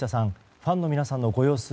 ファンの皆さんのご様子